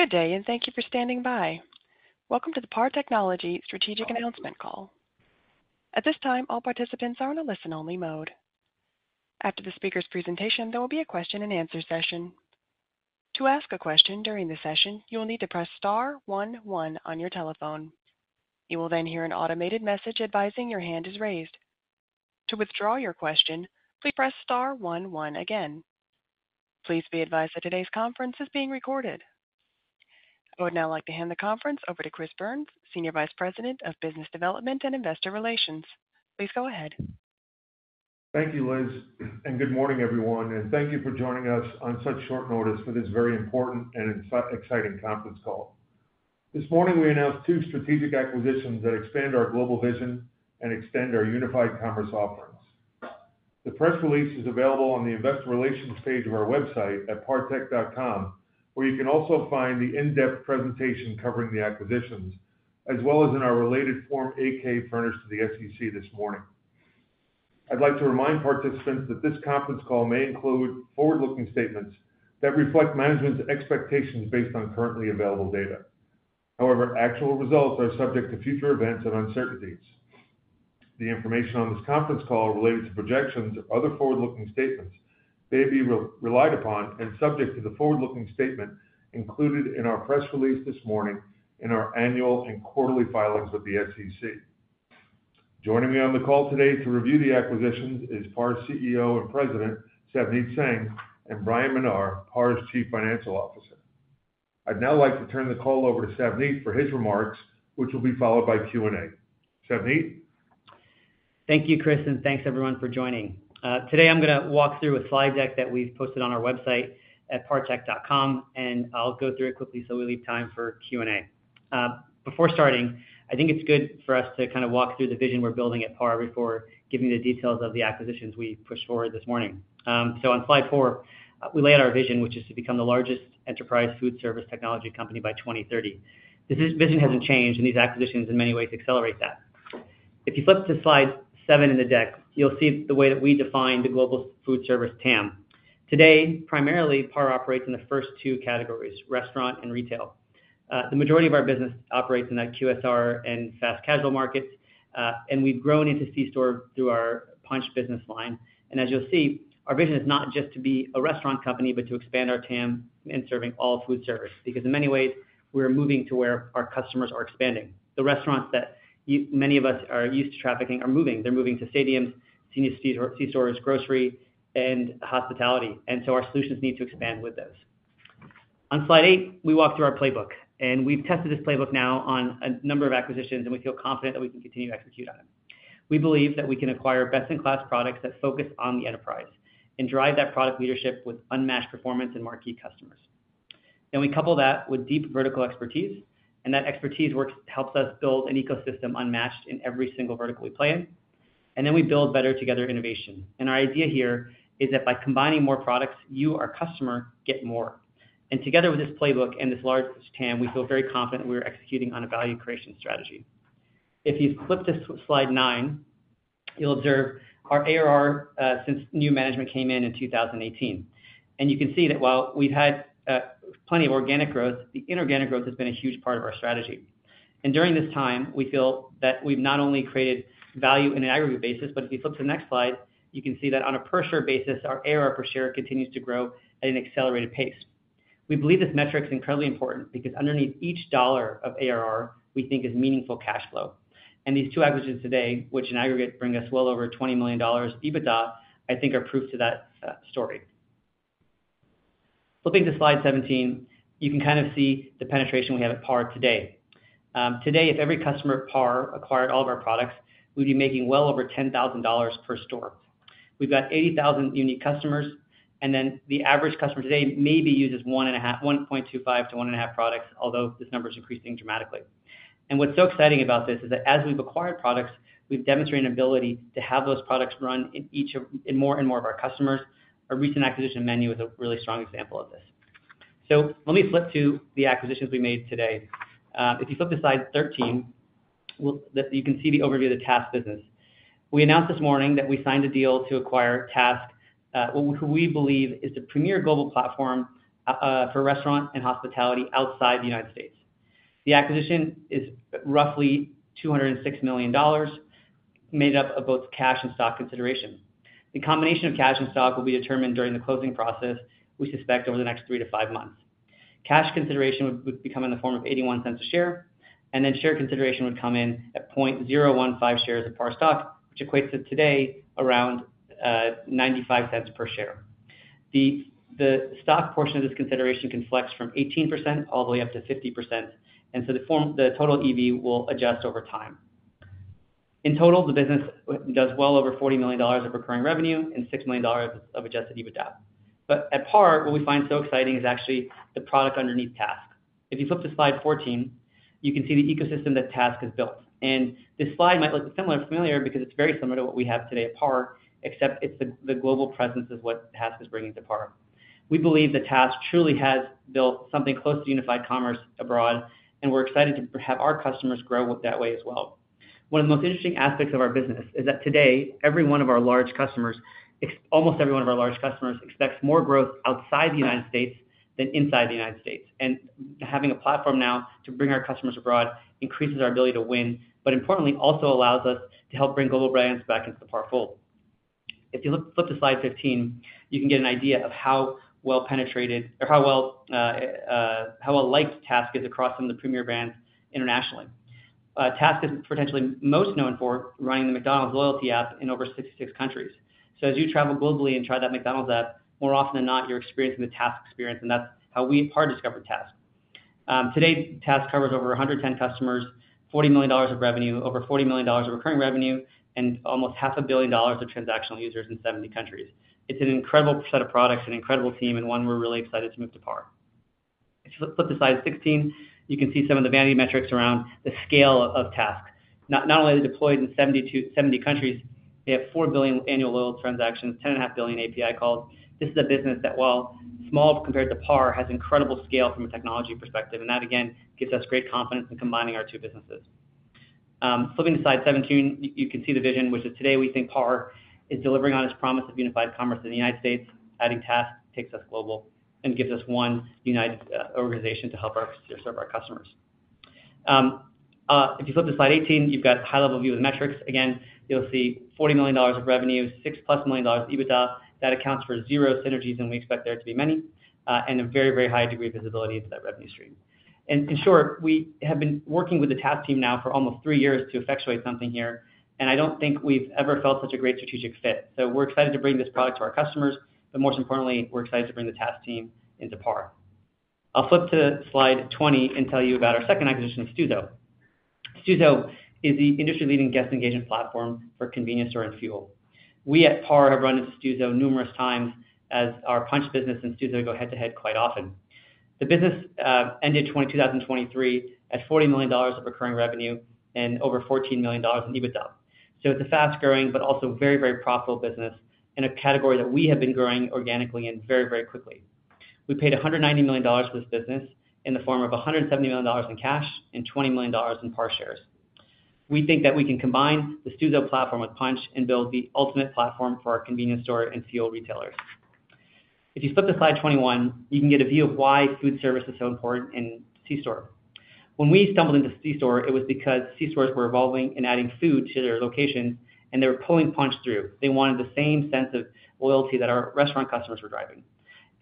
Good day, and thank you for standing by. Welcome to the PAR Technology Strategic Announcement Call. At this time, all participants are on a listen-only mode. After the speaker's presentation, there will be a question-and-answer session. To ask a question during the session, you will need to press star one one on your telephone. You will then hear an automated message advising your hand is raised. To withdraw your question, please press star one one again. Please be advised that today's conference is being recorded. I would now like to hand the conference over to Chris Byrnes, Senior Vice President of Business Development and Investor Relations. Please go ahead. Thank you, Liz, and good morning, everyone, and thank you for joining us on such short notice for this very important and exciting conference call. This morning, we announced two strategic acquisitions that expand our global vision and extend our unified commerce offerings. The press release is available on the investor relations page of our website at partech.com, where you can also find the in-depth presentation covering the acquisitions, as well as in our related Form 8-K furnished to the SEC this morning. I'd like to remind participants that this conference call may include forward-looking statements that reflect management's expectations based on currently available data. However, actual results are subject to future events and uncertainties. The information on this conference call related to projections or other forward-looking statements may be relied upon and subject to the forward-looking statement included in our press release this morning in our annual and quarterly filings with the SEC. Joining me on the call today to review the acquisitions is PAR's CEO and President, Savneet Singh, and Bryan Menar, PAR's Chief Financial Officer. I'd now like to turn the call over to Savneet for his remarks, which will be followed by Q&A. Savneet? Thank you, Chris, and thanks, everyone, for joining. Today I'm gonna walk through a slide deck that we've posted on our website at partech.com, and I'll go through it quickly, so we leave time for Q&A. Before starting, I think it's good for us to kind of walk through the vision we're building at PAR before giving the details of the acquisitions we pushed forward this morning. So on slide 4, we lay out our vision, which is to become the largest enterprise food service technology company by 2030. This vision hasn't changed, and these acquisitions, in many ways, accelerate that. If you flip to slide 7 in the deck, you'll see the way that we define the global food service TAM. Today, primarily, PAR operates in the first two categories, restaurant and retail. The majority of our business operates in that QSR and fast casual markets, and we've grown into C-store through our Punchh business line. As you'll see, our vision is not just to be a restaurant company, but to expand our TAM in serving all food service, because in many ways, we're moving to where our customers are expanding. The restaurants that many of us are used to frequenting are moving. They're moving to stadiums, convenience C-stores, grocery, and hospitality, and so our solutions need to expand with those. On slide 8, we walk through our playbook, and we've tested this playbook now on a number of acquisitions, and we feel confident that we can continue to execute on it. We believe that we can acquire best-in-class products that focus on the enterprise and drive that product leadership with unmatched performance and marquee customers. Then we couple that with deep vertical expertise, and that expertise works, helps us build an ecosystem unmatched in every single vertical we play in. And then we build better together innovation. And our idea here is that by combining more products, you, our customer, get more. And together with this playbook and this large TAM, we feel very confident we're executing on a value creation strategy. If you flip to slide nine, you'll observe our ARR since new management came in in 2018. And you can see that while we've had plenty of organic growth, the inorganic growth has been a huge part of our strategy. During this time, we feel that we've not only created value in an aggregate basis, but if you flip to the next slide, you can see that on a per share basis, our ARR per share continues to grow at an accelerated pace. We believe this metric is incredibly important because underneath each dollar of ARR, we think, is meaningful cash flow. And these two averages today, which in aggregate bring us well over $20 million EBITDA, I think, are proof to that story. Flipping to slide 17, you can kind of see the penetration we have at PAR today. Today, if every customer at PAR acquired all of our products, we'd be making well over $10,000 per store. We've got 80,000 unique customers, and then the average customer today maybe uses one and a half—one point two five to one and a half products, although this number is increasing dramatically. And what's so exciting about this is that as we've acquired products, we've demonstrated an ability to have those products run in each of... in more and more of our customers. Our recent acquisition MENU is a really strong example of this. So let me flip to the acquisitions we made today. If you flip to slide 13, we'll—that you can see the overview of the TASK business. We announced this morning that we signed a deal to acquire TASK, who we believe is the premier global platform for restaurant and hospitality outside the United States. The acquisition is roughly $206 million, made up of both cash and stock consideration. The combination of cash and stock will be determined during the closing process, we suspect, over the next three to five months. Cash consideration would, would be coming in the form of $0.81 a share, and then share consideration would come in at 0.015 shares of PAR stock, which equates to today around ninety-five cents per share. The, the stock portion of this consideration can flex from 18% all the way up to 50%, and so the total EV will adjust over time. In total, the business does well over $40 million of recurring revenue and $6 million of adjusted EBITDA. But at PAR, what we find so exciting is actually the product underneath TASK. If you flip to slide 14, you can see the ecosystem that TASK has built. And this slide might look similar and familiar because it's very similar to what we have today at PAR, except it's the, the global presence is what TASK is bringing to PAR. We believe that TASK truly has built something close to unified commerce abroad, and we're excited to have our customers grow that way as well. One of the most interesting aspects of our business is that today, almost every one of our large customers expects more growth outside the United States than inside the United States. And having a platform now to bring our customers abroad increases our ability to win, but importantly, also allows us to help bring global brands back into the PAR fold. If you look, flip to slide 15, you can get an idea of how well penetrated or how well, how well-liked TASK is across some of the premier brands internationally. TASK is potentially most known for running the McDonald's loyalty app in over 66 countries. So as you travel globally and try that McDonald's app, more often than not, you're experiencing the TASK experience, and that's how we, Par, discovered TASK. Today, TASK covers over 110 customers, $40 million of revenue, over $40 million of recurring revenue, and almost $500 million of transactional users in 70 countries. It's an incredible set of products, an incredible team, and one we're really excited to move to PAR. If you flip, flip to slide 16, you can see some of the vanity metrics around the scale of TASK. Not only are they deployed in 72 to 70 countries, they have 4 billion annual loyal transactions, 10.5 billion API calls. This is a business that, while small compared to PAR, has incredible scale from a technology perspective, and that, again, gives us great confidence in combining our two businesses. Flipping to slide 17, you can see the vision, which is today, we think PAR is delivering on its promise of unified commerce in the United States. Adding TASK takes us global and gives us one united organization to help our to serve our customers. If you flip to slide 18, you've got a high-level view of the metrics. Again, you'll see $40 million of revenue, $6+ million EBITDA. That accounts for zero synergies, and we expect there to be many, and a very, very high degree of visibility into that revenue stream. In short, we have been working with the TASK team now for almost 3 years to effectuate something here, and I don't think we've ever felt such a great strategic fit. So we're excited to bring this product to our customers, but most importantly, we're excited to bring the TASK team into PAR. I'll flip to slide 20 and tell you about our second acquisition of Stuzo. Stuzo is the industry-leading guest engagement platform for convenience store and fuel. We, at Par, have run into Stuzo numerous times, as our Punchh business and Stuzo go head-to-head quite often. The business ended 2023 at $40 million of recurring revenue and over $14 million in EBITDA. So it's a fast-growing but also very, very profitable business in a category that we have been growing organically and very, very quickly. We paid $190 million for this business in the form of $170 million in cash and $20 million in PAR shares. We think that we can combine the Stuzo platform with Punchh and build the ultimate platform for our convenience store and fuel retailers. If you flip to slide 21, you can get a view of why food service is so important in C-store. When we stumbled into C-store, it was because C-stores were evolving and adding food to their locations, and they were pulling Punchh through. They wanted the same sense of loyalty that our restaurant customers were driving.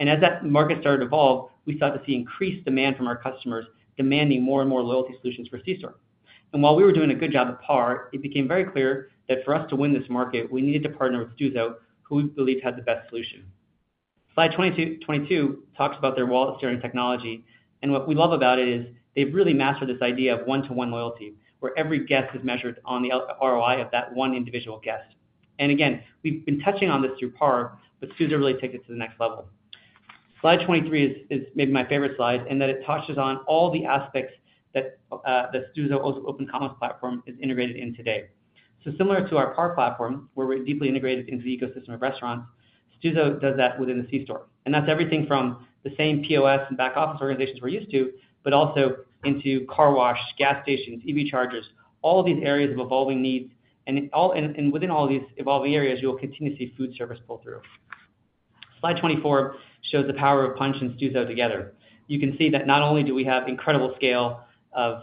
As that market started to evolve, we started to see increased demand from our customers demanding more and more loyalty solutions for C-store. And while we were doing a good job at PAR, it became very clear that for us to win this market, we needed to partner with Stuzo, who we believed had the best solution. Slide 22, 22 talks about their wallet-sharing technology, and what we love about it is they've really mastered this idea of one-to-one loyalty, where every guest is measured on the L- ROI of that one individual guest. And again, we've been touching on this through PAR, but Stuzo really takes it to the next level. Slide 23 is maybe my favorite slide in that it touches on all the aspects that the Stuzo Open Commerce platform is integrated in today. So similar to our PAR platform, where we're deeply integrated into the ecosystem of restaurants, Stuzo does that within the C-store, and that's everything from the same POS and back-office organizations we're used to, but also into car wash, gas stations, EV chargers, all of these areas of evolving needs. And within all these evolving areas, you will continue to see food service pull through. Slide 24 shows the power of Punchh and Stuzo together. You can see that not only do we have incredible scale of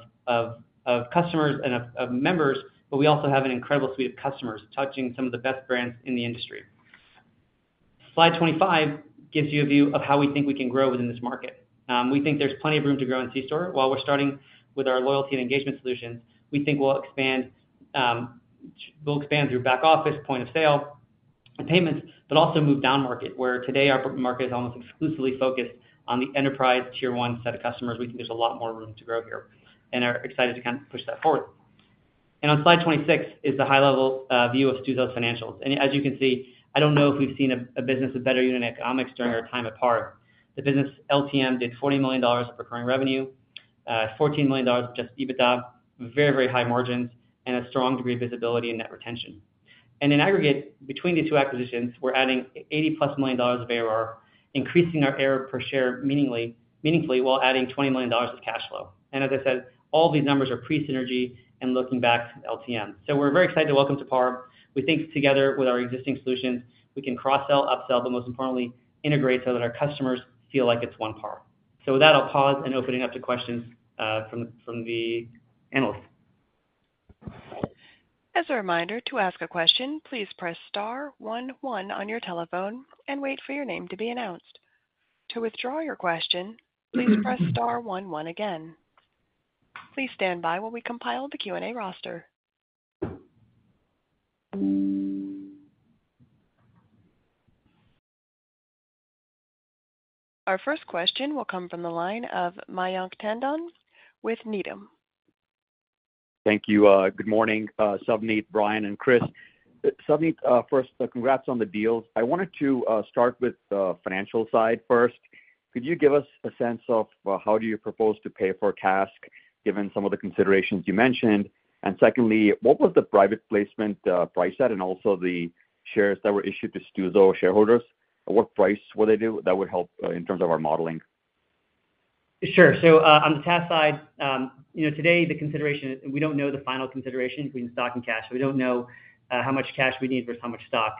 customers and of members, but we also have an incredible suite of customers, touching some of the best brands in the industry. Slide 25 gives you a view of how we think we can grow within this market. We think there's plenty of room to grow in C-store. While we're starting with our loyalty and engagement solutions, we think we'll expand we'll expand through back office, point of sale and payments, but also move downmarket, where today our market is almost exclusively focused on the enterprise Tier one set of customers. We think there's a lot more room to grow here and are excited to kind of push that forward. And on slide 26 is the high-level view of Stuzo's financials. And as you can see, I don't know if we've seen a business with better unit economics during our time at PAR. The business LTM did $40 million of recurring revenue, $14 million just EBITDA, very, very high margins, and a strong degree of visibility in net retention. In aggregate, between these two acquisitions, we're adding $80+ million of ARR, increasing our ARR per share meaningfully, while adding $20 million of cash flow. As I said, all these numbers are pre-synergy and looking back to LTM. We're very excited to welcome to PAR. We think together, with our existing solutions, we can cross-sell, upsell, but most importantly, integrate so that our customers feel like it's one PAR. With that, I'll pause and open it up to questions from the analysts. As a reminder, to ask a question, please press star one one on your telephone and wait for your name to be announced. To withdraw your question, please press star one one again. Please stand by while we compile the Q&A roster. Our first question will come from the line of Mayank Tandon with Needham. Thank you. Good morning, Savneet, Bryan, and Chris. Savneet, first, congrats on the deal. I wanted to start with the financial side first. Could you give us a sense of how do you propose to pay for TASK, given some of the considerations you mentioned? And secondly, what was the private placement price at, and also the shares that were issued to Stuzo shareholders? What price were they do? That would help in terms of our modeling.... Sure. So, on the TASK side, you know, today, the consideration, we don't know the final consideration between stock and cash. We don't know, how much cash we need versus how much stock.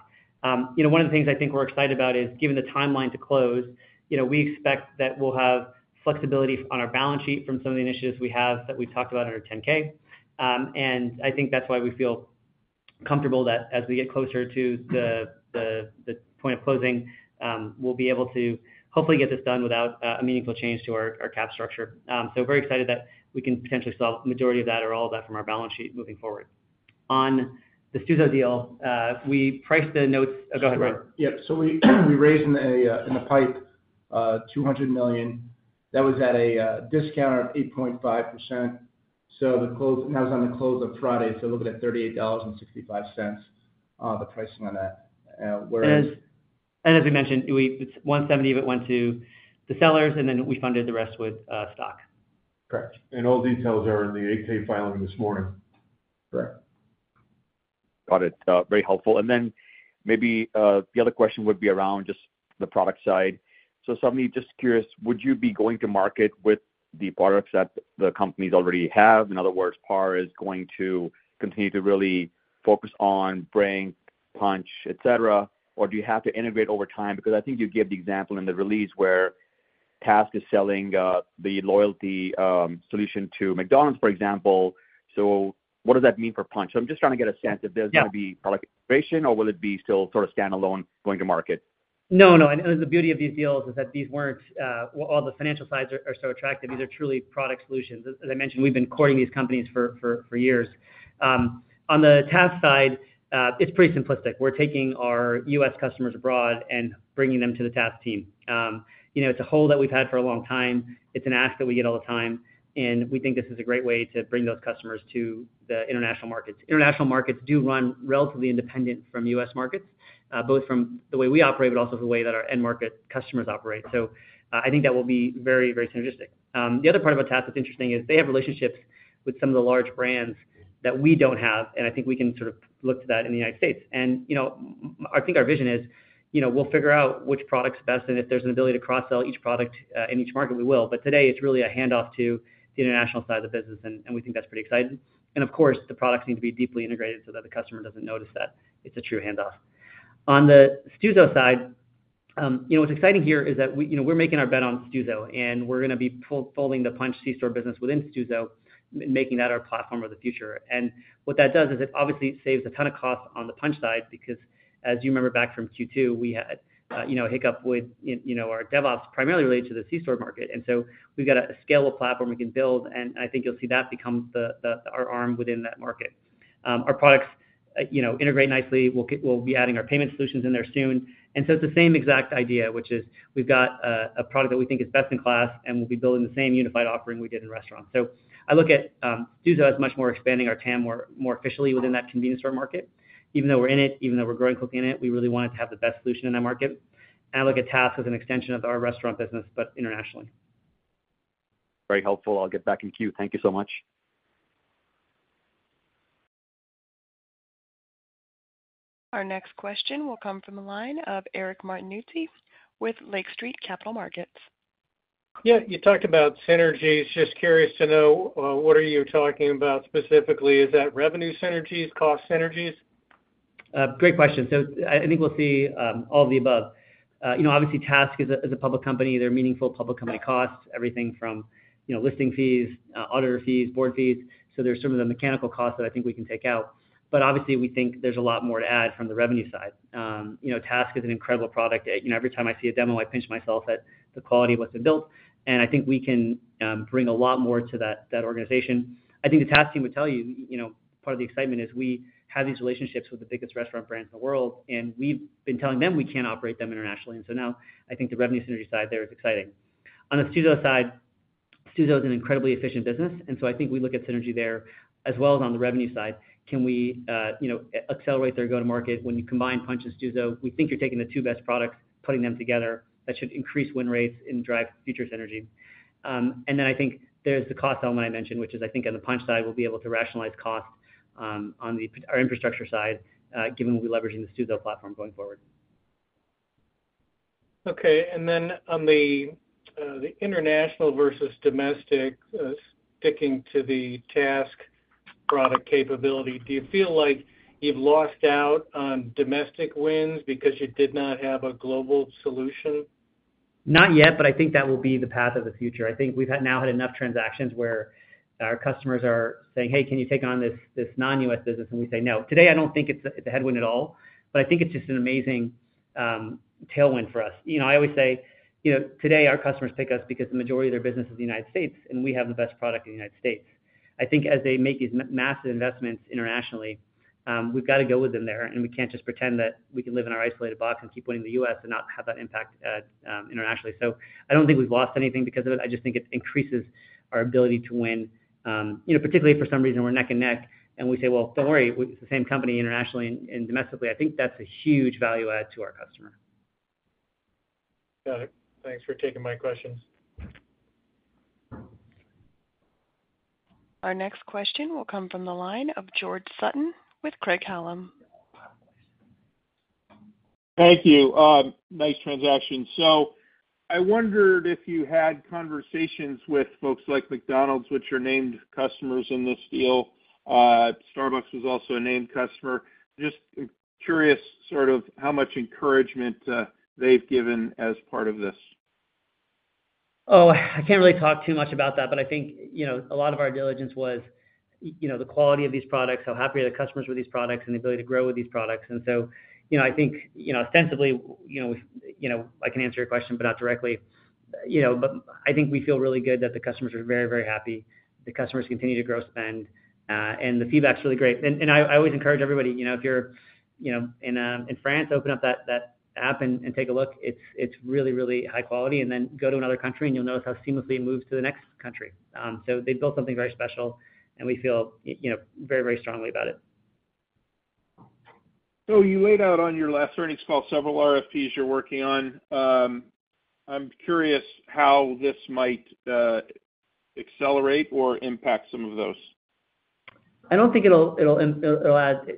You know, one of the things I think we're excited about is, given the timeline to close, you know, we expect that we'll have flexibility on our balance sheet from some of the initiatives we have that we've talked about in our 10-K. And I think that's why we feel comfortable that as we get closer to the point of closing, we'll be able to hopefully get this done without, a meaningful change to our cap structure. So very excited that we can potentially solve the majority of that or all of that from our balance sheet moving forward. On the Stuzo deal, we priced the notes - Go ahead, Brad. Yeah. So we raised in a PIPE $200 million. That was at a discount of 8.5%. So the close, and that was on the close of Friday, so looking at $38.65, the pricing on that, whereas- As we mentioned, it's $170 that went to the sellers, and then we funded the rest with stock. Correct. And all the details are in the 8-K filing this morning. Correct. Got it. Very helpful. And then maybe the other question would be around just the product side. So suddenly, just curious, would you be going to market with the products that the companies already have? In other words, PAR is going to continue to really focus on Brink, Punchh, et cetera, or do you have to integrate over time? Because I think you gave the example in the release where TASK is selling the loyalty solution to McDonald's, for example. So what does that mean for Punchh? So I'm just trying to get a sense if there's- Yeah... gonna be product integration, or will it be still sort of standalone going to market? No, no, and the beauty of these deals is that these weren't, well, all the financial sides are, are so attractive. These are truly product solutions. As, as I mentioned, we've been courting these companies for, for, for years. On the TASK side, it's pretty simplistic. We're taking our U.S. customers abroad and bringing them to the TASK team. You know, it's a hole that we've had for a long time. It's an ask that we get all the time, and we think this is a great way to bring those customers to the international markets. International markets do run relatively independent from U.S. markets, both from the way we operate, but also the way that our end market customers operate. So, I think that will be very, very synergistic. The other part about TASK that's interesting is they have relationships with some of the large brands that we don't have, and I think we can sort of look to that in the United States. And, you know, I think our vision is, you know, we'll figure out which product's best, and if there's an ability to cross-sell each product, in each market, we will. But today, it's really a handoff to the international side of the business, and we think that's pretty exciting. And of course, the products need to be deeply integrated so that the customer doesn't notice that it's a true handoff. On the Stuzo side, you know, what's exciting here is that we, you know, we're making our bet on Stuzo, and we're gonna be folding the Punchh C-store business within Stuzo, making that our platform of the future. And what that does is it obviously saves a ton of cost on the Punchh side, because as you remember back from Q2, we had, you know, a hiccup with, in, you know, our DevOps, primarily related to the C-store market. And so we've got a scalable platform we can build, and I think you'll see that become the, the, our arm within that market. Our products, you know, integrate nicely. We'll we'll be adding our payment solutions in there soon. And so it's the same exact idea, which is we've got a, a product that we think is best in class, and we'll be building the same unified offering we did in restaurants. So I look at, Stuzo as much more expanding our TAM more, more officially within that convenience store market. Even though we're in it, even though we're growing quickly in it, we really wanted to have the best solution in that market. I look at TASK as an extension of our restaurant business, but internationally. Very helpful. I'll get back in queue. Thank you so much. Our next question will come from the line of Eric Martinuzzi with Lake Street Capital Markets. Yeah, you talked about synergies. Just curious to know, what are you talking about specifically? Is that revenue synergies, cost synergies? Great question. So I think we'll see all of the above. You know, obviously, TASK is a public company. They're meaningful public company costs, everything from, you know, listing fees, auditor fees, board fees. So there's some of the mechanical costs that I think we can take out. But obviously, we think there's a lot more to add from the revenue side. You know, TASK is an incredible product. You know, every time I see a demo, I pinch myself at the quality of what's been built, and I think we can bring a lot more to that organization. I think the TASK team would tell you, you know, part of the excitement is we have these relationships with the biggest restaurant brands in the world, and we've been telling them we can't operate them internationally. And so now I think the revenue synergy side there is exciting. On the Stuzo side, Stuzo is an incredibly efficient business, and so I think we look at synergy there as well as on the revenue side. Can we, you know, accelerate their go-to-market? When you combine Punchh and Stuzo, we think you're taking the two best products, putting them together, that should increase win rates and drive future synergy. And then I think there's the cost element I mentioned, which is, I think, on the Punchh side, we'll be able to rationalize costs, on our infrastructure side, given we'll be leveraging the Stuzo platform going forward. Okay. And then on the international versus domestic, sticking to the TASK product capability, do you feel like you've lost out on domestic wins because you did not have a global solution? Not yet, but I think that will be the path of the future. I think we've now had enough transactions where our customers are saying, "Hey, can you take on this, this non-U.S. business?" And we say, "No." Today, I don't think it's a headwind at all, but I think it's just an amazing tailwind for us. You know, I always say, you know, today our customers pick us because the majority of their business is the United States, and we have the best product in the United States. I think as they make these massive investments internationally, we've got to go with them there, and we can't just pretend that we can live in our isolated box and keep winning in the US and not have that impact internationally. So I don't think we've lost anything because of it. I just think it increases our ability to win, you know, particularly if for some reason we're neck and neck, and we say, "Well, don't worry, we're the same company internationally and domestically." I think that's a huge value add to our customer. Got it. Thanks for taking my questions. Our next question will come from the line of George Sutton with Craig-Hallum.... Thank you. Nice transaction. So I wondered if you had conversations with folks like McDonald's, which are named customers in this deal. Starbucks was also a named customer. Just curious, sort of how much encouragement, they've given as part of this? Oh, I can't really talk too much about that, but I think, you know, a lot of our diligence was, you know, the quality of these products, how happy are the customers with these products, and the ability to grow with these products. And so, you know, I think, you know, ostensibly, you know, you know, I can answer your question, but not directly. You know, but I think we feel really good that the customers are very, very happy. The customers continue to grow, spend, and the feedback's really great. And, and I, I always encourage everybody, you know, if you're, you know, in France, open up that, that app and, and take a look. It's, it's really, really high quality, and then go to another country, and you'll notice how seamlessly it moves to the next country. So they've built something very special, and we feel, you know, very, very strongly about it. So you laid out on your last earnings call several RFPs you're working on. I'm curious how this might accelerate or impact some of those? I don't think it'll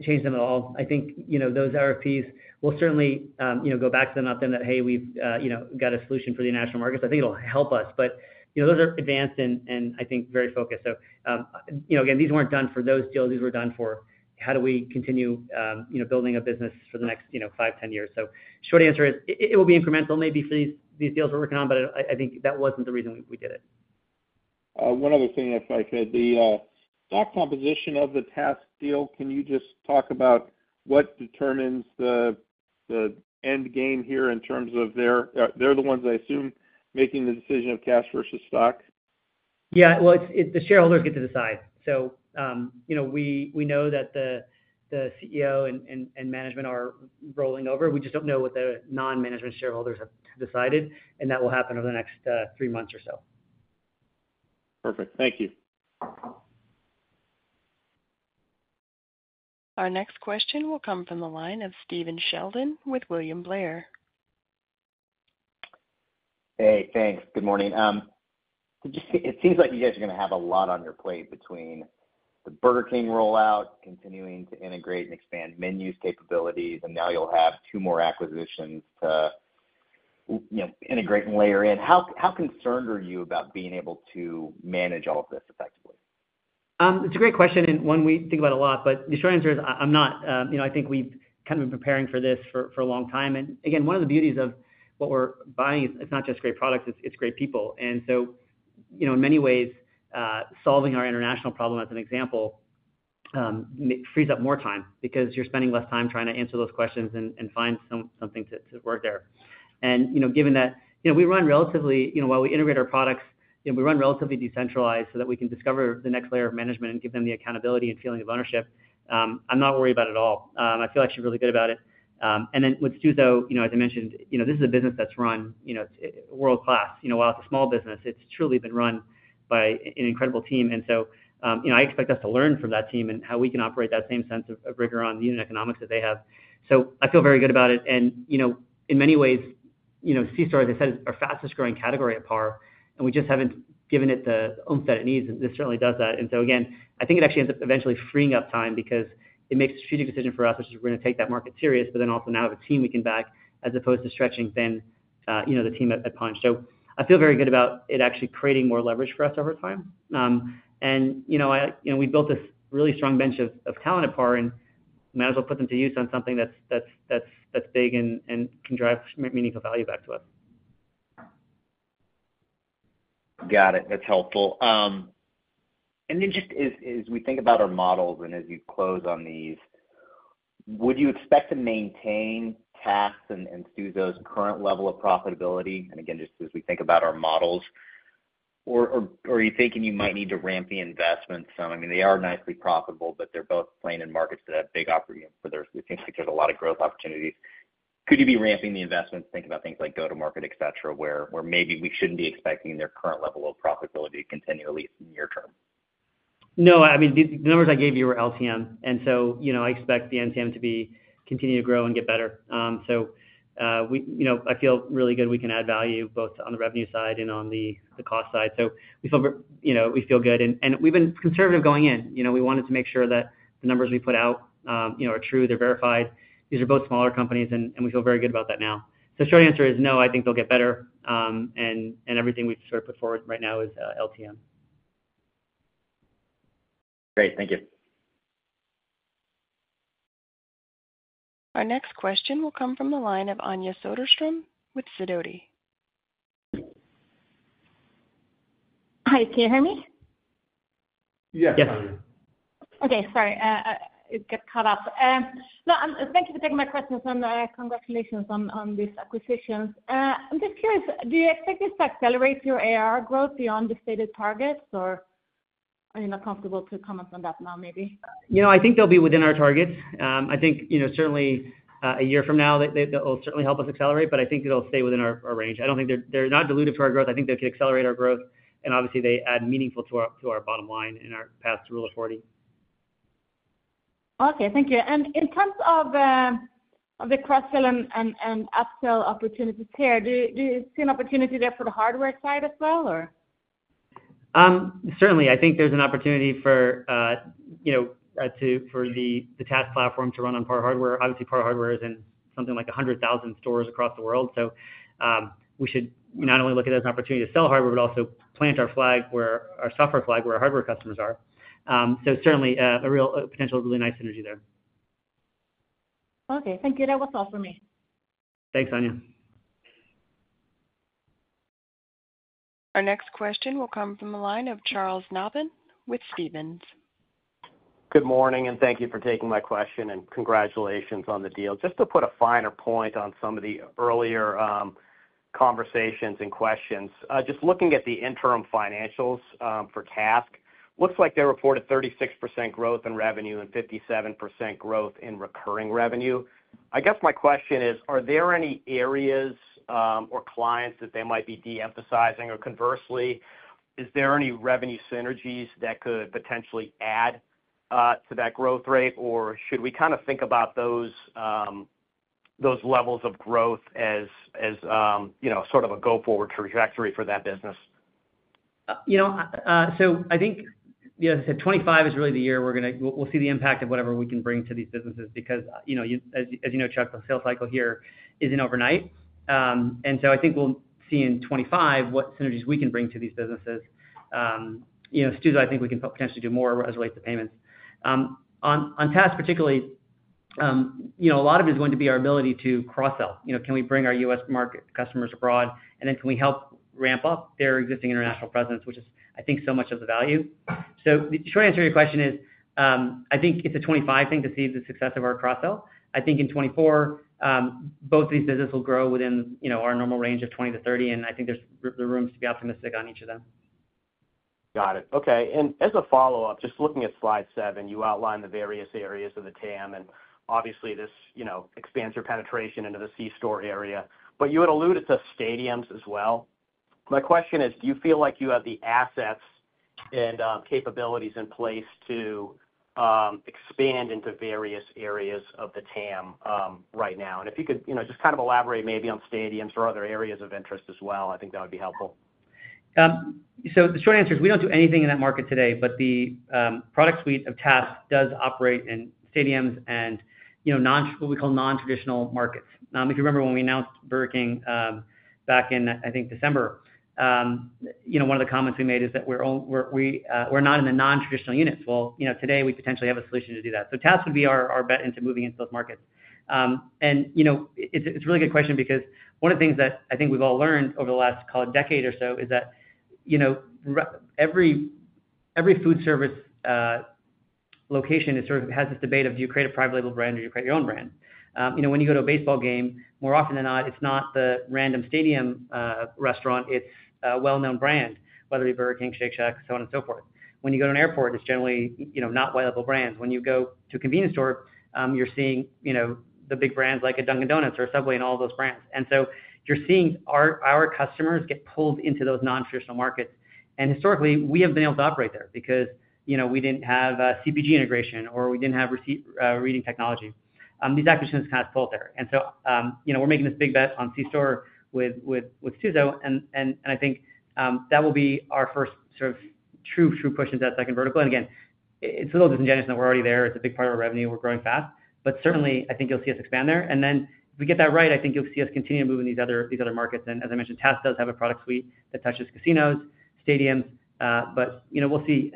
change them at all. I think, you know, those RFPs will certainly, you know, go back to them, update them that, "Hey, we've, you know, got a solution for the international markets." I think it'll help us, but, you know, those are advanced and I think very focused. So, you know, again, these weren't done for those deals. These were done for how do we continue, you know, building a business for the next, you know, five, ten years? So short answer is, it will be incremental maybe for these deals we're working on, but I think that wasn't the reason we did it. One other thing, if I could. The stock composition of the TASK deal, can you just talk about what determines the end game here in terms of their... They're the ones, I assume, making the decision of cash versus stock? Yeah. Well, it's the shareholders get to decide. So, you know, we know that the CEO and management are rolling over. We just don't know what the non-management shareholders have decided, and that will happen over the next three months or so. Perfect. Thank you. Our next question will come from the line of Stephen Sheldon with William Blair. Hey, thanks. Good morning. It seems like you guys are gonna have a lot on your plate between the Burger King rollout, continuing to integrate and expand MENUs, capabilities, and now you'll have two more acquisitions to, you know, integrate and layer in. How concerned are you about being able to manage all of this effectively? It's a great question, and one we think about a lot, but the short answer is, I'm not... You know, I think we've kind of been preparing for this for a long time. And again, one of the beauties of what we're buying, it's not just great products, it's great people. And so, you know, in many ways, solving our international problem, as an example, frees up more time because you're spending less time trying to answer those questions and find something to work there. And, you know, given that, you know, we run relatively, you know, while we integrate our products, you know, we run relatively decentralized so that we can discover the next layer of management and give them the accountability and feeling of ownership. I'm not worried about it at all. I feel actually really good about it. And then with Stuzo, you know, as I mentioned, you know, this is a business that's run, you know, world-class. You know, while it's a small business, it's truly been run by an incredible team, and so, you know, I expect us to learn from that team and how we can operate that same sense of, of rigor on the unit economics that they have. So I feel very good about it, and, you know, in many ways, you know, Stuzo, they said, is our fastest growing category at PAR, and we just haven't given it the oomph that it needs, and this certainly does that. And so again, I think it actually ends up eventually freeing up time because it makes a strategic decision for us, which is we're gonna take that market serious, but then also now have a team we can back, as opposed to stretching thin, you know, the team at Punchh. So I feel very good about it actually creating more leverage for us over time. And, you know, I, you know, we built this really strong bench of talent at PAR, and might as well put them to use on something that's big and can drive meaningful value back to us. Got it. That's helpful. And then just as we think about our models and as you close on these, would you expect to maintain TASK's and Stuzo's current level of profitability, and again, just as we think about our models, or are you thinking you might need to ramp the investments some? I mean, they are nicely profitable, but they're both playing in markets that have big opportunity for their... It seems like there's a lot of growth opportunities. Could you be ramping the investments, thinking about things like go-to-market, et cetera, where maybe we shouldn't be expecting their current level of profitability continually in the near term? No, I mean, the numbers I gave you were LTM, and so, you know, I expect the NTM to be, continue to grow and get better. So, we, you know, I feel really good we can add value both on the revenue side and on the cost side. So we feel, you know, we feel good, and we've been conservative going in. You know, we wanted to make sure that the numbers we put out, you know, are true, they're verified. These are both smaller companies, and we feel very good about that now. So short answer is no, I think they'll get better, and everything we've sort of put forward right now is LTM. Great. Thank you. Our next question will come from the line of Anja Soderstrom with Sidoti. Hi, can you hear me? Yes. Yes. Okay, sorry, it got caught up. No, thank you for taking my questions, and congratulations on these acquisitions. I'm just curious, do you expect this to accelerate your ARR growth beyond the stated targets, or are you not comfortable to comment on that now, maybe? You know, I think they'll be within our targets. I think, you know, certainly, a year from now, they'll certainly help us accelerate, but I think it'll stay within our range. I don't think they're not dilutive to our growth. I think they could accelerate our growth, and obviously, they add meaningful to our bottom line and our path to Rule of 40. Okay, thank you. And in terms of the cross-sell and up-sell opportunities here, do you see an opportunity there for the hardware side as well, or? ... Certainly, I think there's an opportunity for, you know, for the TASK platform to run on power hardware. Obviously, power hardware is in something like 100,000 stores across the world. So, we should not only look at it as an opportunity to sell hardware, but also plant our flag where our software flag, where our hardware customers are. So certainly, a real potential, really nice synergy there. Okay, thank you. That was all for me. Thanks, Anya. Our next question will come from the line of Charles Nabhan with Stephens. Good morning, and thank you for taking my question, and congratulations on the deal. Just to put a finer point on some of the earlier, conversations and questions, just looking at the interim financials, for TASK, looks like they reported 36% growth in revenue and 57% growth in recurring revenue. I guess my question is: Are there any areas, or clients that they might be de-emphasizing? Or conversely, is there any revenue synergies that could potentially add, to that growth rate? Or should we kind of think about those, those levels of growth as, as, you know, sort of a go-forward trajectory for that business? You know, so I think, yeah, so 2025 is really the year we'll see the impact of whatever we can bring to these businesses because, you know, as you know, Chuck, the sales cycle here isn't overnight. And so I think we'll see in 2025 what synergies we can bring to these businesses. You know, Stuzo, I think we can potentially do more as it relates to payments. On TASK, particularly, you know, a lot of it is going to be our ability to cross-sell. You know, can we bring our U.S. market customers abroad? And then can we help ramp up their existing international presence, which is, I think, so much of the value. So the short answer to your question is, I think it's a 2025 thing to see the success of our cross-sell. I think in 2024, both these businesses will grow within, you know, our normal range of 20 to 30, and I think there's room to be optimistic on each of them. Got it. Okay. And as a follow-up, just looking at slide seven, you outlined the various areas of the TAM, and obviously, this, you know, expands your penetration into the C-store area, but you had alluded to stadiums as well. My question is, do you feel like you have the assets and capabilities in place to expand into various areas of the TAM right now? And if you could, you know, just kind of elaborate maybe on stadiums or other areas of interest as well, I think that would be helpful. So the short answer is we don't do anything in that market today, but the product suite of TASK does operate in stadiums and, you know, non- what we call nontraditional markets. If you remember when we announced Burger King, back in, I think, December, you know, one of the comments we made is that we're not in the nontraditional units. Well, you know, today, we potentially have a solution to do that. So TASK would be our bet into moving into those markets. And, you know, it's a really good question because one of the things that I think we've all learned over the last, call it, decade or so, is that, you know, every food service location, it sort of has this debate of do you create a private label brand or do you create your own brand? You know, when you go to a baseball game, more often than not, it's not the random stadium restaurant, it's a well-known brand, whether it be Burger King, Shake Shack, so on and so forth. When you go to an airport, it's generally, you know, not white label brands. When you go to a convenience store, you're seeing, you know, the big brands like a Dunkin' Donuts or a Subway and all those brands. And so you're seeing our customers get pulled into those nontraditional markets. And historically, we have been able to operate there because, you know, we didn't have a CPG integration or we didn't have receipt reading technology. These acquisitions kind of pulled there. And so, you know, we're making this big bet on C-store with Stuzo, and I think that will be our first sort of true push into that second vertical. And again, it's a little disingenuous that we're already there. It's a big part of our revenue. We're growing fast, but certainly, I think you'll see us expand there. And then, if we get that right, I think you'll see us continue to move in these other markets. As I mentioned, TASK does have a product suite that touches casinos, stadiums, but, you know, we'll see.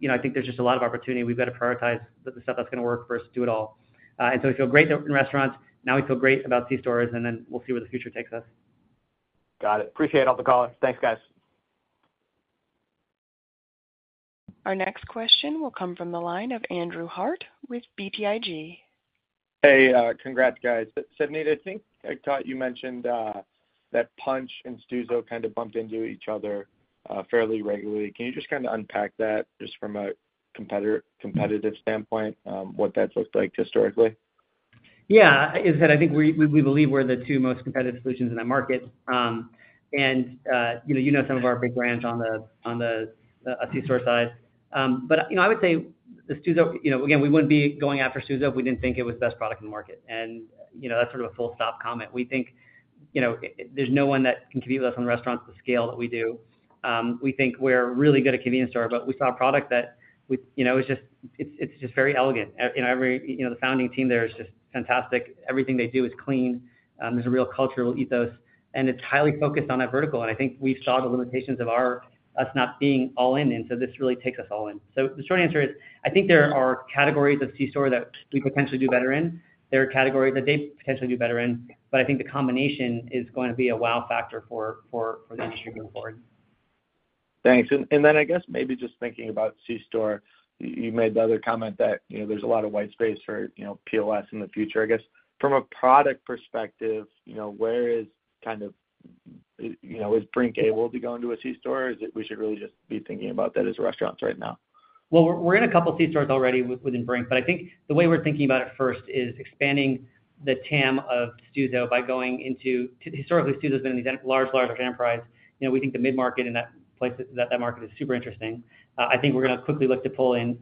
You know, I think there's just a lot of opportunity. We've got to prioritize the stuff that's gonna work first, do it all. And so we feel great in restaurants, now we feel great about C-stores, and then we'll see where the future takes us. Got it. Appreciate all the color. Thanks, guys. Our next question will come from the line of Andrew Harte with BTIG. Hey, congrats, guys. But Savneet, I think I thought you mentioned that Punchh and Stuzo kind of bumped into each other fairly regularly. Can you just kind of unpack that just from a competitive standpoint, what that's looked like historically? Yeah, I think we believe we're the two most competitive solutions in that market. And, you know some of our big brands on the C-store side. But, you know, I would say the Stuzo, you know, again, we wouldn't be going after Stuzo if we didn't think it was the best product in the market. And, you know, that's sort of a full stop comment. We think, you know, there's no one that can compete with us on restaurants to scale that we do. We think we're really good at convenience store, but we saw a product that we, you know, it's just very elegant. You know, every, you know, the founding team there is just fantastic. Everything they do is clean. There's a real cultural ethos, and it's highly focused on that vertical. And I think we saw the limitations of us not being all in, and so this really takes us all in. So the short answer is, I think there are categories of C-store that we potentially do better in. There are categories that they potentially do better in, but I think the combination is going to be a wow factor for the industry going forward. Thanks. And then I guess maybe just thinking about C-store, you made the other comment that, you know, there's a lot of white space for, you know, POS in the future. I guess from a product perspective, you know, where is kind of, you know, is Brink able to go into a C-store, or is it we should really just be thinking about that as restaurants right now? Well, we're in a couple of C-stores already within Brink, but I think the way we're thinking about it first is expanding the TAM of Stuzo by going into... Historically, Stuzo has been in these large enterprise. You know, we think the mid-market and that market is super interesting. I think we're gonna quickly look to pull in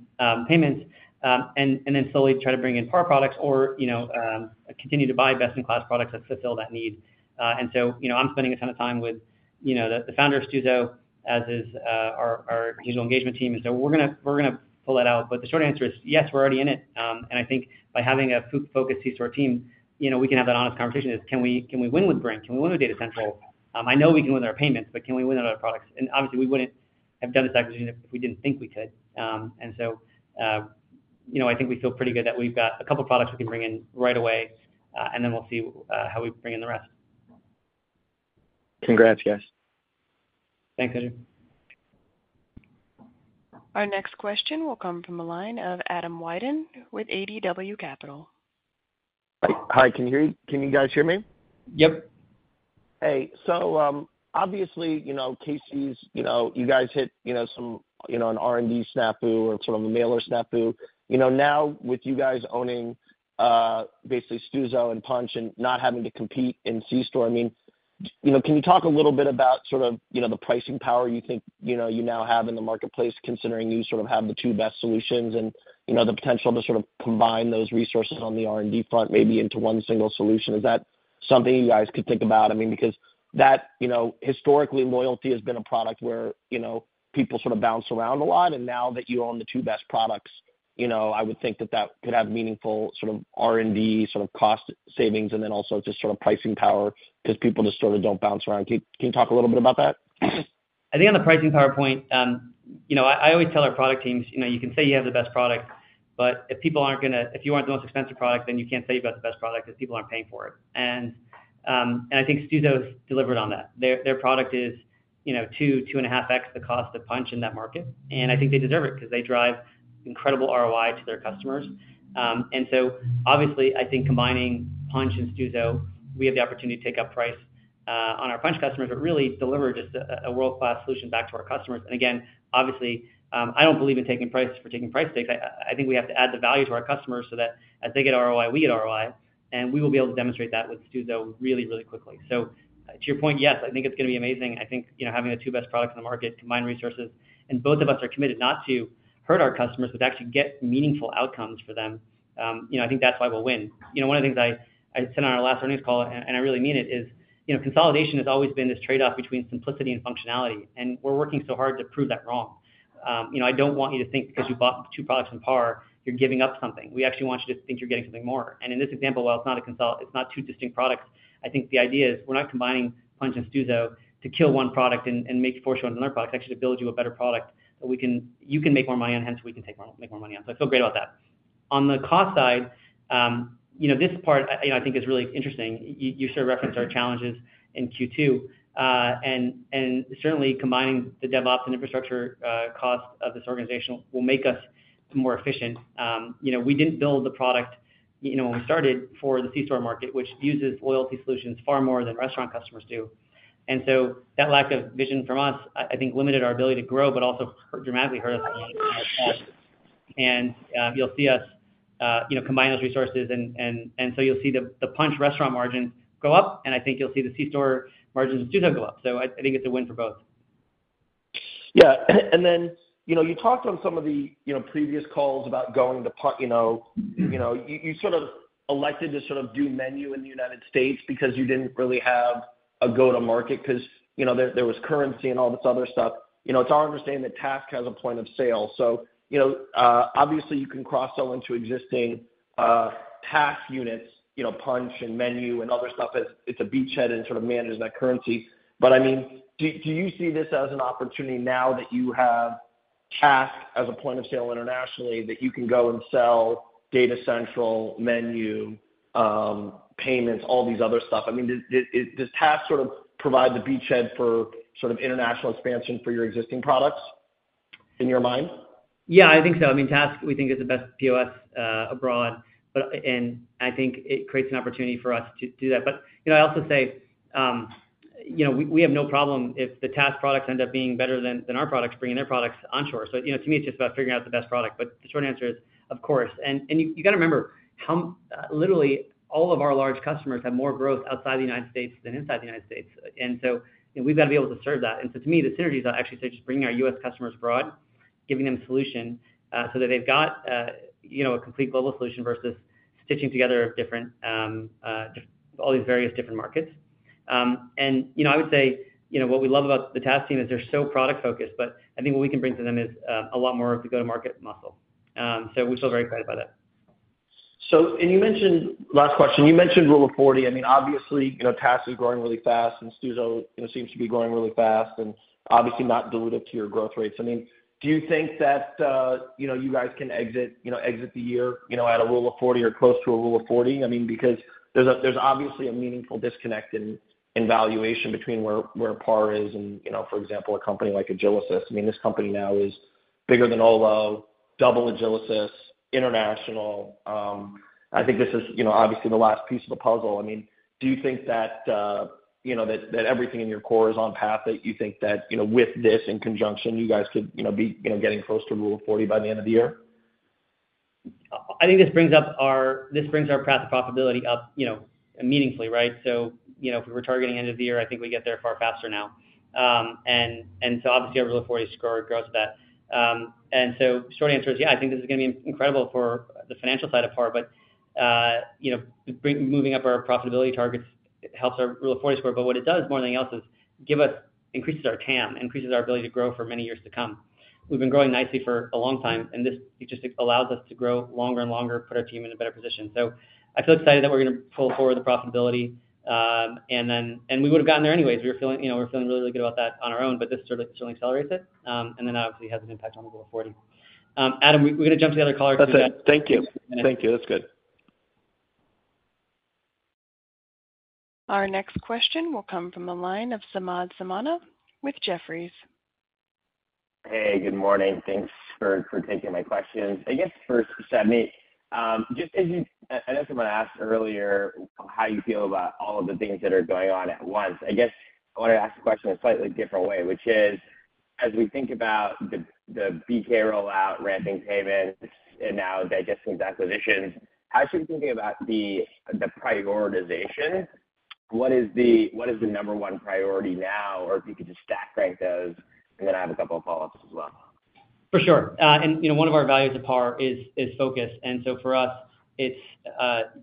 payments, and then slowly try to bring in PAR products or, you know, continue to buy best-in-class products that fulfill that need. And so, you know, I'm spending a ton of time with you know, the founder of Stuzo, as is our Digital Engagement team. So we're gonna pull that out. But the short answer is, yes, we're already in it. And I think by having a food-focused C-store team, you know, we can have that honest conversation is: Can we, can we win with Brink? Can we win with Data Central? I know we can win with our payments, but can we win with other products? And obviously, we wouldn't have done this acquisition if we didn't think we could. And so, you know, I think we feel pretty good that we've got a couple products we can bring in right away, and then we'll see how we bring in the rest. Congrats, guys. Thanks, Andrew. Our next question will come from the line of Adam Wyden with ADW Capital. Hi, can you hear me? Can you guys hear me? Yep. Hey, so, obviously, you know, Casey's, you know, you guys hit, you know, some, you know, an R&D snafu or sort of a mailer snafu. You know, now with you guys owning, basically Stuzo and Punchh and not having to compete in C-store, I mean, you know, can you talk a little bit about sort of, you know, the pricing power you think, you know, you now have in the marketplace, considering you sort of have the two best solutions and, you know, the potential to sort of combine those resources on the R&D front, maybe into one single solution. Is that something you guys could think about? I mean, because that, you know, historically, loyalty has been a product where, you know, people sort of bounce around a lot, and now that you own the two best products, you know, I would think that that could have meaningful sort of R&D, sort of cost savings, and then also just sort of pricing power because people just sort of don't bounce around. Can, can you talk a little bit about that? I think on the pricing power point, you know, I always tell our product teams, you know, you can say you have the best product, but if people aren't gonna—if you aren't the most expensive product, then you can't say you've got the best product because people aren't paying for it. And I think Stuzo's delivered on that. Their product is, you know, 2 to 2.5x the cost of Punchh in that market, and I think they deserve it because they drive incredible ROI to their customers. And so obviously, I think combining Punchh and Stuzo, we have the opportunity to take up price on our Punchh customers, but really deliver just a world-class solution back to our customers. And again, obviously, I don't believe in taking prices for taking price stakes. I think we have to add the value to our customers so that as they get ROI, we get ROI, and we will be able to demonstrate that with Stuzo really, really quickly. So to your point, yes, I think it's going to be amazing. I think, you know, having the two best products in the market, combined resources, and both of us are committed not to hurt our customers, but to actually get meaningful outcomes for them. You know, I think that's why we'll win. You know, one of the things I said on our last earnings call, and I really mean it, is, you know, consolidation has always been this trade-off between simplicity and functionality, and we're working so hard to prove that wrong. You know, I don't want you to think because you bought two products from PAR, you're giving up something. We actually want you to think you're getting something more. And in this example, while it's not two distinct products, I think the idea is we're not combining Punchh and Stuzo to kill one product and make forcefully on another product. It's actually to build you a better product that we can—you can make more money on, hence, we can take more, make more money on. So I feel great about that. On the cost side, you know, this part, I, you know, I think is really interesting. You sort of referenced our challenges in Q2, and certainly combining the DevOps and infrastructure cost of this organization will make us more efficient. You know, we didn't build the product, you know, when we started, for the C-store market, which uses loyalty solutions far more than restaurant customers do. And so that lack of vision from us, I think, limited our ability to grow, but also dramatically hurt us. And, you'll see us, you know, combine those resources and so you'll see the Punchh restaurant margin go up, and I think you'll see the C-store margins of Stuzo go up. So I think it's a win for both. Yeah, and then, you know, you talked on some of the, you know, previous calls about going to Punchh. You know, you know, you, you sort of elected to sort of do MENU in the United States because you didn't really have a go-to-market because, you know, there, there was currency and all this other stuff. You know, it's our understanding that TASK has a point of sale. So, you know, obviously, you can cross-sell into existing TASK units, you know, Punchh and MENU and other stuff as it's a beachhead and sort of manages that currency. But, I mean, do you see this as an opportunity now that you have TASK as a point of sale internationally, that you can go and sell Data Central, MENU, payments, all these other stuff? I mean, does TASK sort of provide the beachhead for sort of international expansion for your existing products in your mind? Yeah, I think so. I mean, TASK, we think, is the best POS abroad, but, and I think it creates an opportunity for us to do that. But, you know, I also say, you know, we, we have no problem if the TASK products end up being better than, than our products, bringing their products onshore. So, you know, to me, it's just about figuring out the best product. But the short answer is, of course. And, and you, you got to remember how, literally all of our large customers have more growth outside the United States than inside the United States. And so, you know, we've got to be able to serve that. And so to me, the synergies are actually just bringing our U.S. customers abroad, giving them solution, so that they've got, you know, a complete global solution versus stitching together different, just all these various different markets. And, you know, I would say, you know, what we love about the TASK team is they're so product-focused, but I think what we can bring to them is, a lot more to go-to-market muscle. So we're still very excited about that. So, you mentioned -- last question. You mentioned Rule of 40. I mean, obviously, you know, TASK is growing really fast, and Stuzo, you know, seems to be growing really fast and obviously not dilutive to your growth rates. I mean, do you think that, you know, you guys can exit, you know, exit the year, you know, at a Rule of 40 or close to a Rule of 40? I mean, because there's a, there's obviously a meaningful disconnect in, in valuation between where, where PAR is and, you know, for example, a company like Agilysys. I mean, this company now is bigger than Olo, double Agilysys, international. I think this is, you know, obviously the last piece of the puzzle. I mean, do you think that, you know, that, that everything in your core is on path, that you think that, you know, with this in conjunction, you guys could, you know, be, you know, getting close to Rule of 40 by the end of the year? I think this brings our path to profitability up, you know, meaningfully, right? So, you know, if we were targeting end of the year, I think we get there far faster now. So obviously, our Rule of 40 score grows that. So short answer is, yeah, I think this is going to be incredible for the financial side of PAR, but, you know, moving up our profitability targets. It helps our Rule of 40 score, but what it does more than anything else is give us, increases our TAM, increases our ability to grow for many years to come. We've been growing nicely for a long time, and this just allows us to grow longer and longer, put our team in a better position. So I feel excited that we're going to pull forward the profitability, and then we would have gotten there anyways. We were feeling, you know, we're feeling really, really good about that on our own, but this certainly, certainly accelerates it, and then obviously has an impact on the Rule of 40. Adam, we're going to jump to the other caller after that. That's it. Thank you. Thank you. That's good. Our next question will come from the line of Samad Samana with Jefferies. Hey, good morning. Thanks for taking my questions. I guess first, Savneet, just as you... I know someone asked earlier how you feel about all of the things that are going on at once. I guess I want to ask the question a slightly different way, which is, as we think about the BK rollout, ramping payments, and now digesting the acquisitions, how should we be thinking about the prioritization? What is the number one priority now, or if you could just stack rank those, and then I have a couple of follow-ups as well. For sure. And, you know, one of our values at PAR is focus, and so for us, it's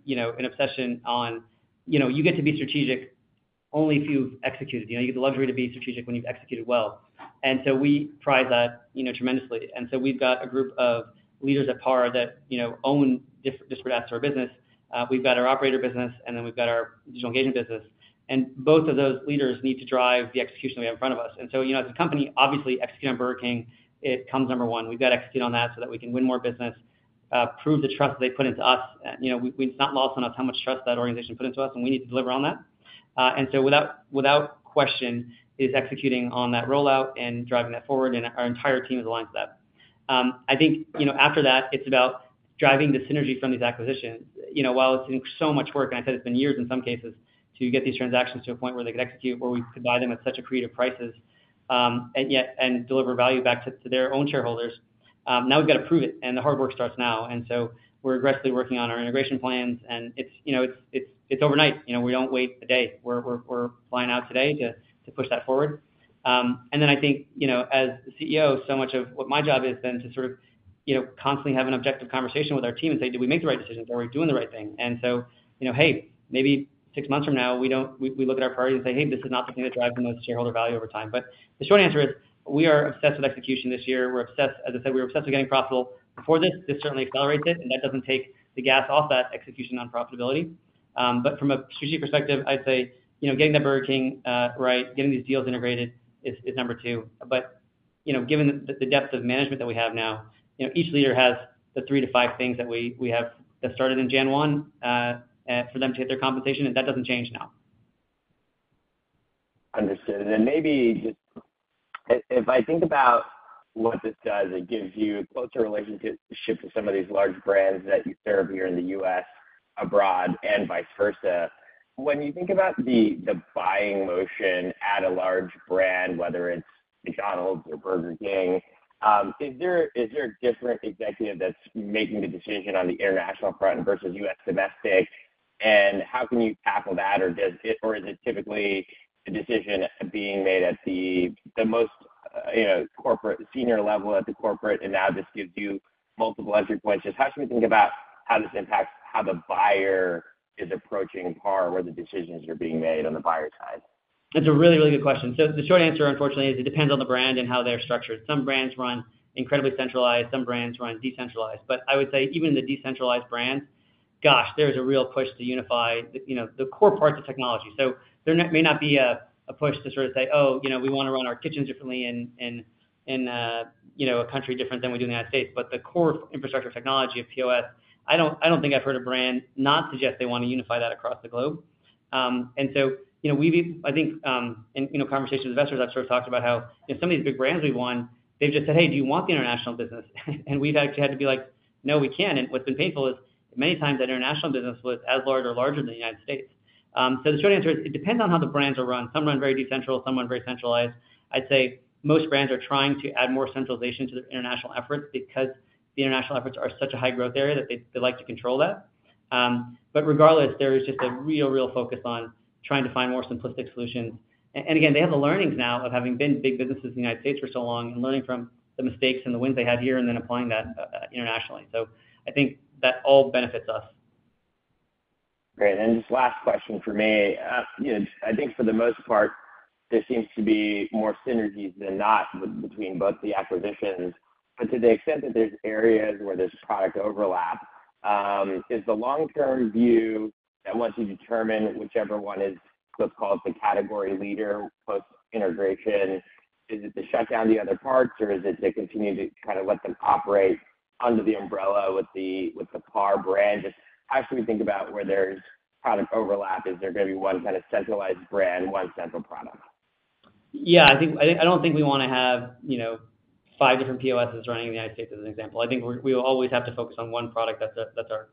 you know, an obsession on, you know, you get to be strategic only if you've executed. You know, you get the luxury to be strategic when you've executed well. And so we pride that, you know, tremendously. And so we've got a group of leaders at PAR that, you know, own disparate parts of our business. We've got our operator business, and then we've got our digital engagement business. And both of those leaders need to drive the execution we have in front of us. And so, you know, as a company, obviously, executing on Burger King, it comes number one. We've got to execute on that so that we can win more business, prove the trust they put into us. You know, it's not lost on us how much trust that organization put into us, and we need to deliver on that. And so without, without question, is executing on that rollout and driving that forward, and our entire team is aligned to that. I think, you know, after that, it's about driving the synergy from these acquisitions. You know, while it's been so much work, and I said it's been years in some cases to get these transactions to a point where they could execute, where we could buy them at such creative prices, and yet, and deliver value back to, to their own shareholders, now we've got to prove it, and the hard work starts now. And so we're aggressively working on our integration plans, and it's, you know, it's, it's, it's overnight. You know, we don't wait a day. We're flying out today to push that forward. And then I think, you know, as the CEO, so much of what my job is then to sort of, you know, constantly have an objective conversation with our team and say, "Did we make the right decisions? Are we doing the right thing?" And so, you know, hey, maybe six months from now, we look at our priorities and say, "Hey, this is not the thing that drives the most shareholder value over time." But the short answer is, we are obsessed with execution this year. We're obsessed. As I said, we were obsessed with getting profitable before this. This certainly accelerates it, and that doesn't take the gas off that execution on profitability. But from a strategic perspective, I'd say, you know, getting that Burger King right, getting these deals integrated is number two. But, you know, given the depth of management that we have now, you know, each leader has the three to five things that we have that started in Jan. One for them to hit their compensation, and that doesn't change now. Understood. And then maybe just, if I think about what this does, it gives you closer relationship to some of these large brands that you serve here in the U.S., abroad, and vice versa. When you think about the buying motion at a large brand, whether it's McDonald's or Burger King, is there a different executive that's making the decision on the international front versus U.S. domestic? And how can you tackle that, or is it typically a decision being made at the most corporate, senior level at the corporate, and now this gives you multiple entry points? Just how should we think about how this impacts how the buyer is approaching PAR, where the decisions are being made on the buyer side? That's a really, really good question. So the short answer, unfortunately, is it depends on the brand and how they're structured. Some brands run incredibly centralized, some brands run decentralized. But I would say even the decentralized brands, gosh, there's a real push to unify, you know, the core parts of technology. So there may not be a, a push to sort of say, "Oh, you know, we want to run our kitchens differently in a country different than we do in the United States." But the core infrastructure technology of POS, I don't, I don't think I've heard a brand not suggest they want to unify that across the globe. And so, you know, I think, in, you know, conversations with investors, I've sort of talked about how if some of these big brands we've won, they've just said, "Hey, do you want the international business?" And we've actually had to be like, "No, we can't." And what's been painful is many times the international business was as large or larger than the United States. So the short answer is, it depends on how the brands are run. Some run very decentral, some run very centralized. I'd say most brands are trying to add more centralization to the international efforts because the international efforts are such a high-growth area that they, they like to control that. But regardless, there is just a real, real focus on trying to find more simplistic solutions. And again, they have the learnings now of having been big businesses in the United States for so long and learning from the mistakes and the wins they have here and then applying that internationally. So I think that all benefits us. Great. And just last question from me. You know, I think for the most part, there seems to be more synergies than not between both the acquisitions. But to the extent that there's areas where there's product overlap, is the long-term view that once you determine whichever one is what's called the category leader post-integration, is it to shut down the other parts, or is it to continue to kind of let them operate under the umbrella with the, with the PAR brand? Just how should we think about where there's product overlap? Is there going to be one kind of centralized brand, one central product? Yeah, I think I don't think we want to have, you know, five different POSs running in the United States, as an example. I think we will always have to focus on one product that's our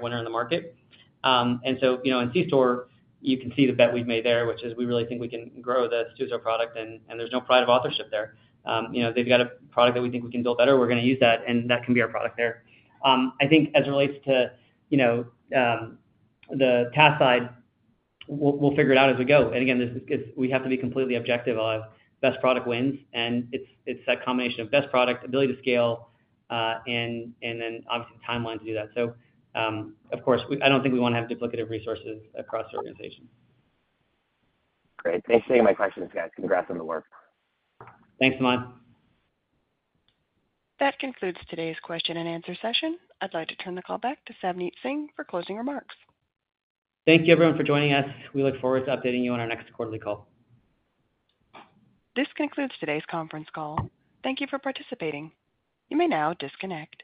winner in the market. And so, you know, in C-store, you can see the bet we've made there, which is we really think we can grow the Stuzo product, and there's no pride of authorship there. You know, they've got a product that we think we can build better, we're going to use that, and that can be our product there. I think as it relates to, you know, the TASK side, we'll figure it out as we go. And again, it's we have to be completely objective of best product wins, and it's that combination of best product, ability to scale, and then obviously timeline to do that. So, of course, we I don't think we want to have duplicative resources across the organization. Great. Thanks for taking my questions, guys. Congrats on the work. Thanks, Samad. That concludes today's question and answer session. I'd like to turn the call back to Savneet Singh for closing remarks. Thank you, everyone, for joining us. We look forward to updating you on our next quarterly call. This concludes today's conference call. Thank you for participating. You may now disconnect.